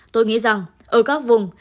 tôi nghĩ rằng ở các vùng